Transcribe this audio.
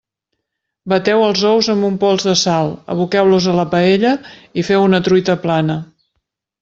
Bateu els ous amb un pols de sal, aboqueu-los a la paella i feu una truita plana.